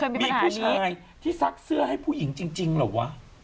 มีผู้ชายที่ซักเสื้อให้ผู้หญิงจริงเหรอวะ